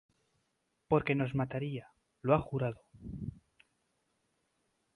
porque nos mataría... ¡ lo ha jurado!...